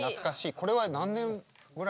これは何年ぐらい？